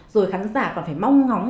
rồi khán giả còn phải mong ngóng